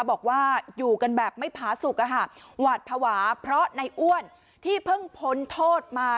บอกว่าอยู่กันแบบไม่ผาสุขหวาดภาวะเพราะในอ้วนที่เพิ่งพ้นโทษมา